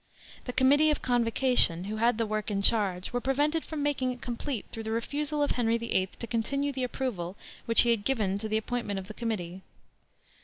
The Committee of Convocation, who had the work in charge, were prevented from making it complete through the refusal of Henry VIII to continue the approval which he had given to the appointment of the committee.